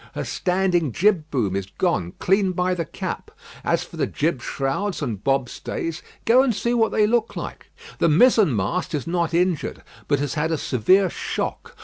Her standing jibboom is gone clean by the cap. As for the jib shrouds and bobstays, go and see what they look like. The mizenmast is not injured, but has had a severe shock.